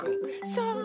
そう。